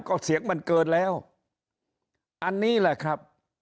ก็เสียงมันเกินแล้วอันนี้แหละครับ